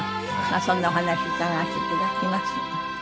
そんなお話伺わせて頂きます。